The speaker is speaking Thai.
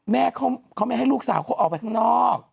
แม่เขาไม่ให้ลูกสาวเขาออกไปข้างนอก